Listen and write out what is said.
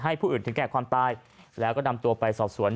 ผู้อื่นถึงแก่ความตายแล้วก็นำตัวไปสอบสวน